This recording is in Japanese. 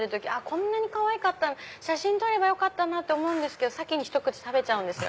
こんなにかわいかったら写真撮ればよかったなと思うけど先にひと口食べちゃうんです。